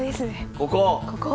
ここ！